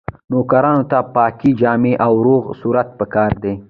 نوکرانو ته پاکې جامې او روغ صورت پکار دی.